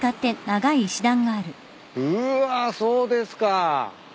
うわそうですか。